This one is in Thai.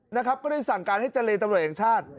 นะครับก็ได้สั่งการให้เจรตำรวจแห่งชาติ